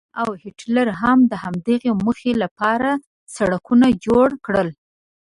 ناپلیون او هیټلر هم د همدغې موخې لپاره سړکونه جوړ کړل.